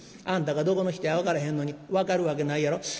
あんたがどこの人や分からへんのに分かるわけないやろ」。